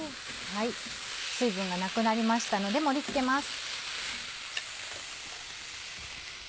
水分がなくなりましたので盛り付けます。